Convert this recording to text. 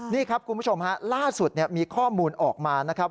นี่ครับคุณผู้ชมฮะล่าสุดมีข้อมูลออกมานะครับ